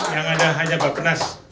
yang ada hanya bapenas